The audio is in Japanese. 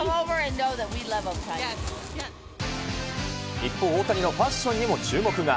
一方、大谷のファッションにも注目が。